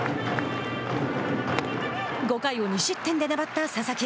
５回を２失点で粘った佐々木。